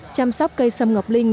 chăm sóc cây xâm ngọc linh